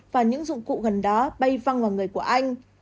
và những dụng cụ gần đó bay văng vào người của anh